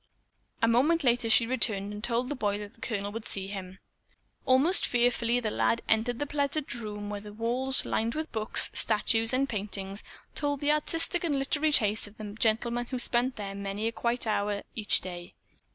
A moment later she returned and told the boy that the Colonel would see him. Almost fearfully the lad entered the pleasant room, where the walls, lined with books, statues and paintings, told the artistic and literary taste of the gentleman who spent there many quiet hours each day.